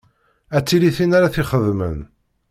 Ad tili tin ara t-ixedmen.